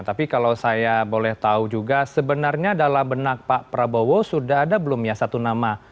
tapi kalau saya boleh tahu juga sebenarnya dalam benak pak prabowo sudah ada belum ya satu nama